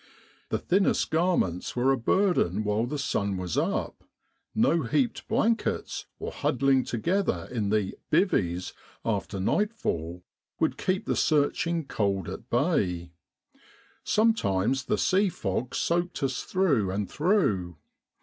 The thinnest garments were a burden while the sun was up ; no heaped blankets or huddling together in the "bivvies" after nightfall would keep the searching cold at bay. Sometimes the sea fog soaked us through and through.